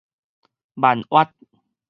閩越